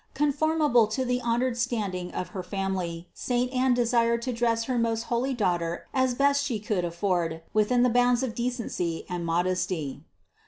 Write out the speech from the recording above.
Com formable to the honored standing of her family, saint Anne desired to dress her most holy Daughter as best she could afford within the bounds of decency and mod esty.